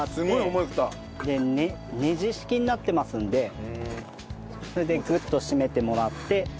ネジ式になってますんでそれでグッと締めてもらって。